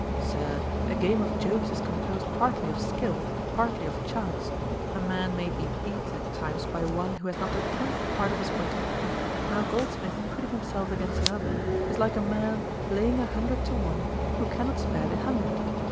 Sir, a game of jokes is composed partly of skill, partly of chance, a man may be beat at times by one who has not the tenth part of his wit. Now Goldsmith's putting himself against another, is like a man laying a hundred to one who cannot spare the hundred.